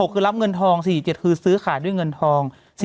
คือรับเงินทอง๔๗คือซื้อขายด้วยเงินทอง